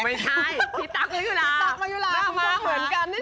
ไม่ใช่พี่ตั๊กมายุราคมาเหมือนกันนี่เฉย